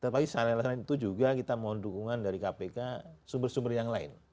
terus paling salah yang lain itu juga kita mohon dukungan dari kpk sumber sumber yang lain